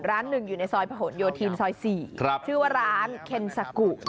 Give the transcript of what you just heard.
ร้านหนึ่งอยู่ในซอยผนโยธินซอย๔ชื่อว่าร้านเคนซากุ